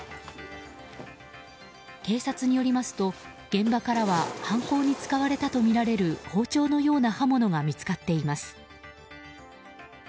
警察によりますと、現場からは犯行に使われたとみられる包丁のような刃物が見つかっています。